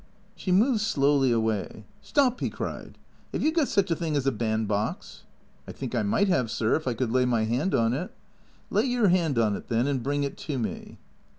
She moved slowly away. " Stop !" he cried ;" have you got such a thing as a band box ?"" I think I might 'ave, sir ; if I could lay my 'and on it." " Lay your hand on it, then, and bring it to me."